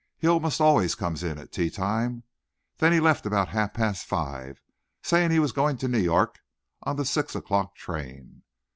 He almost always comes in at tea time. Then he left about half past five, saying he was going to New York on the six o'clock train."